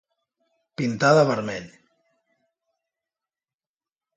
Pintar de vermell.